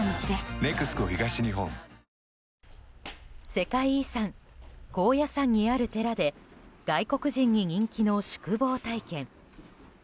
世界遺産・高野山にある寺で外国人に人気の宿坊体験。